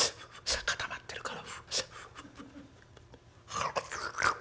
固まってるから」。